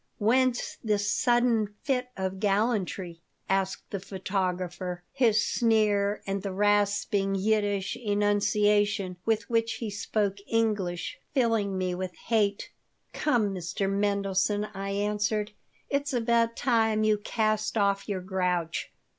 Whence this sudden fit of gallantry?" asked the photographer, his sneer and the rasping Yiddish enunciation with which he spoke English filling me with hate "Come, Mr. Mendelson," I answered, "it's about time you cast off your grouch.